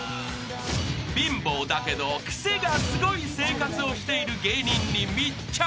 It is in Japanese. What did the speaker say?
［貧乏だけどクセがスゴい生活をしている芸人に密着］